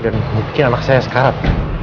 dan membuat anak saya sekarat